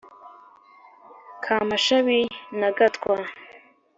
kamashabi na gatwa